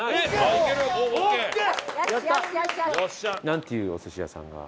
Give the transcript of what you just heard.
なんていうお寿司屋さんが？